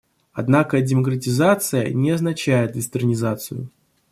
Однако демократизация не означает «вестернизацию».